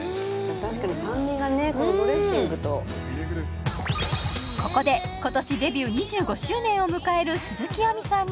確かに酸味がねこのドレッシングとここで今年デビュー２５周年を迎える鈴木亜美さんに